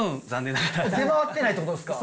出回ってないってことですか？